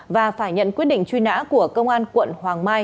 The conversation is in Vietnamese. và phải nhận quyết định truy nã của công an quận hoàng mai